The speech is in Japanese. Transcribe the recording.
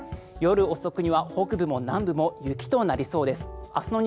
夜遅くには北部も南部も雪となりそうです。